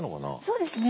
そうですね。